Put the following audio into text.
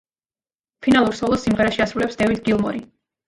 ფინალურ სოლოს სიმღერაში ასრულებს დევიდ გილმორი.